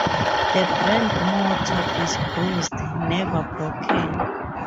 The brand motto is "Bruised, never broken".